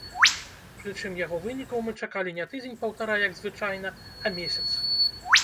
Прычым яго вынікаў мы чакалі не тыдзень-паўтара, як звычайна, а месяц.